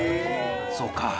そうか。